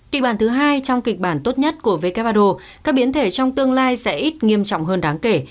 kịch bản thứ hai trong kịch bản tốt nhất của who các biến thể trong tương lai sẽ ít nghiêm trọng hơn đáng kể